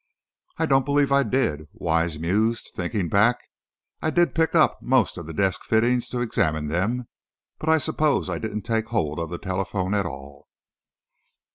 "I don't believe I did," Wise mused, thinking back. "I did pick up most of the desk fittings to examine them but I suppose I didn't take hold of the telephone at all."